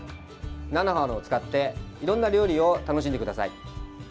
菜の花を使っていろんな料理を楽しんでください。